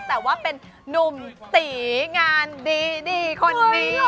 แต่ว่าเป็นนุ่มตีงานดีคนนี้